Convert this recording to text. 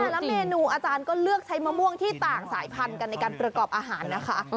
แต่ละเมนูอาจารย์ก็เลือกใช้มะม่วงที่ต่างสายพันธุ์กันในการประกอบอาหารนะคะ